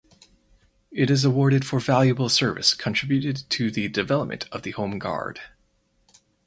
It is awarded for valuable service contributed to the development of the Home Guard.